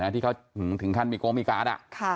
ที่เขาถึงคันมิโกมิกล้าด้ะ